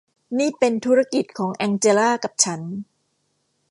นี่เป็นธุรกิจของแองเจล่ากับฉัน